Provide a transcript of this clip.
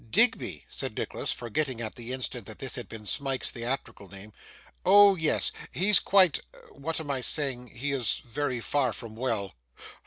'Digby!' said Nicholas, forgetting at the instant that this had been Smike's theatrical name. 'Oh yes. He's quite what am I saying? he is very far from well.